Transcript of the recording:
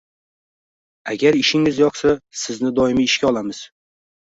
Agar ishingiz yoqsa, sizni doimiy ishga olamiz